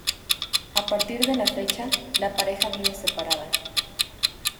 A partir de la fecha, la pareja vive separada.